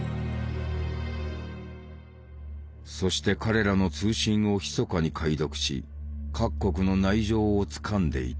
そして彼らの通信をひそかに解読し各国の内情をつかんでいた。